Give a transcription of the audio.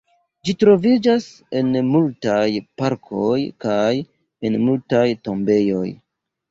Ĝi troviĝas en multaj parkoj kaj en multaj tombejoj.